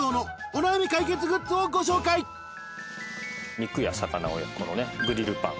肉や魚を焼くグリルパン。